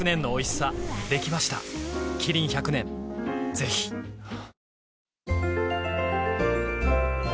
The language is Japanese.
ぜひはぁ。